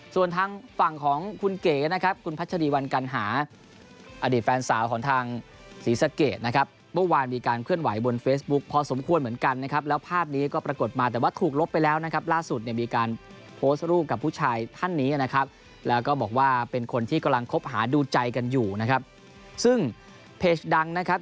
ส่วนทางฝั่งของคุณเก๋นะครับคุณพัชรีวันกัณหาอดีตแฟนสาวของทางศรีสะเกดนะครับเมื่อวานมีการเคลื่อนไหวบนเฟซบุ๊คพอสมควรเหมือนกันนะครับแล้วภาพนี้ก็ปรากฏมาแต่ว่าถูกลบไปแล้วนะครับล่าสุดเนี่ยมีการโพสต์รูปกับผู้ชายท่านนี้นะครับแล้วก็บอกว่าเป็นคนที่กำลังคบหาดูใจกันอยู่นะครับซึ่งเพจดังนะครับ